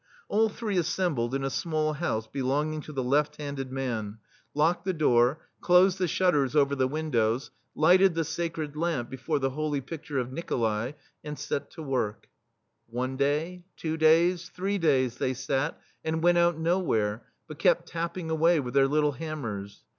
All three assembled in a small house belonging to the left handed man, THE STEEL FLEA locked the door, closed the shutters over the windows, lighted the sacred lamp before the holy pidture of Niko lai, and set to work. One day, two days, three days they sat, and went out nowhere, but kept tapping away with their little ham mers.